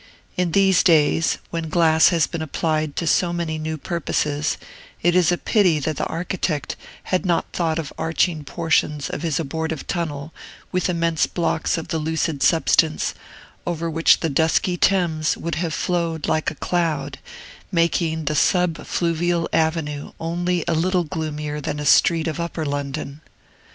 In these days, when glass has been applied to so many new purposes, it is a pity that the architect had not thought of arching portions of his abortive tunnel with immense blocks of the lucid substance, over which the dusky Thames would have flowed like a cloud, making the sub fluvial avenue only a little gloomier than a street of upper London.